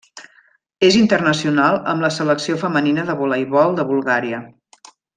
És internacional amb la Selecció femenina de voleibol de Bulgària.